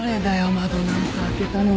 窓なんか開けたのは。